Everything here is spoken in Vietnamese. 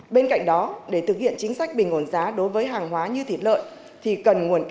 bên cạnh đó để thực hiện chính sách bình ổn giá đối với hàng hóa như thịt lợn